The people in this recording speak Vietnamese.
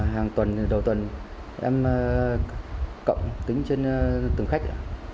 hàng tuần đầu tuần em cộng tính trên từng khách